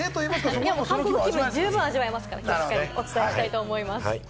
韓国気分、十分味わえますから、お伝えしたいと思います。